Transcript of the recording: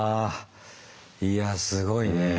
いやすごいね。